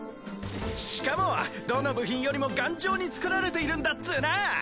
しかもどの部品よりも頑丈に作られているんだっツーナ！